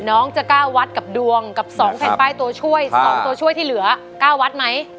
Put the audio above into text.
น้องจะ๙วัดกับดวงกับ๒แผ่นป้ายตัวช่วย๒ตัวช่วยที่เหลือ๙วัดไหม